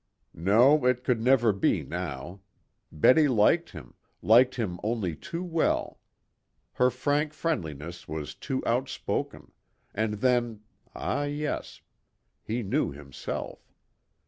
No, it could never be now. Betty liked him, liked him only too well. Her frank friendliness was too outspoken, and then ah, yes, he knew himself.